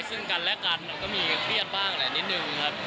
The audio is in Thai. ซึ่งกันและกันมันก็มีเครียดบ้างแหละนิดนึงครับ